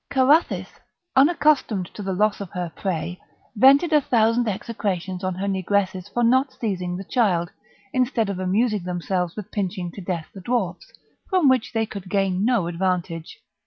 Carathis, unaccustomed to the loss of her prey, vented a thousand execrations on her negresses for not seizing the child, instead of amusing themselves with pinching to death the dwarfs, from which they could gain no advantage.